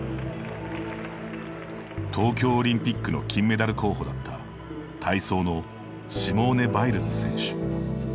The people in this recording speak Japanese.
東京オリンピックの金メダル候補だった体操のシモーネ・バイルズ選手。